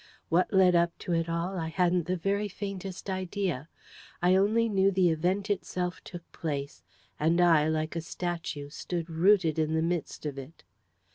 What led up to it all, I hadn't the very faintest idea. I only knew the Event itself took place; and I, like a statue, stood rooted in the midst of it.